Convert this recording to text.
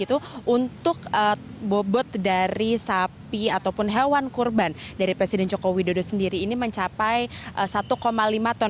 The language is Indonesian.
untuk bobot dari sapi ataupun hewan kurban dari presiden joko widodo sendiri ini mencapai satu lima ton